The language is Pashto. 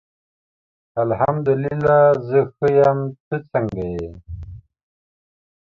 الحمد الله زه ښه یم ته څنګه یی